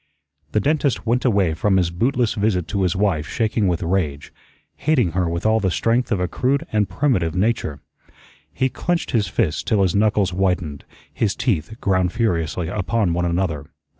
The dentist went away from his bootless visit to his wife shaking with rage, hating her with all the strength of a crude and primitive nature. He clenched his fists till his knuckles whitened, his teeth ground furiously upon one another.